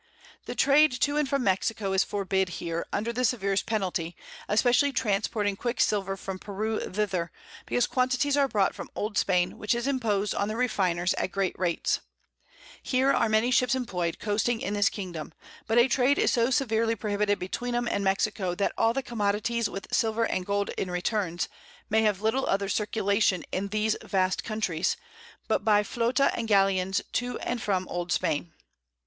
The Trade to and from Mexico is forbid here, under the severest Penalty, especially transporting Quick silver from Peru thither, because Quantities are brought from Old Spain, which is impos'd on the Refiners at great Rates. Here are many Ships employ'd coasting in this Kingdom; but a Trade is so severely prohibited between 'em and Mexico, that all the Commodities with Silver and Gold in Returns, may have little other Circulation in these vast Countries, but by the Flota and Galeons to and from Old Spain.